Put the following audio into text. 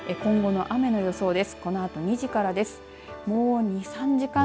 今後の雨の予想です。